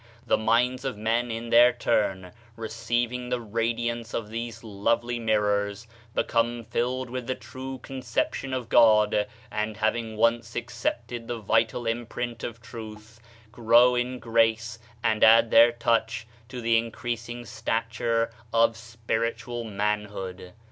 The minds of men in their turn receiving the radiance of these lovely mirrors become filled with the true conception of God, and having once accepted the vital imprint of truth, grow in grace and add their touch to the increasing stature of spiritual manhood.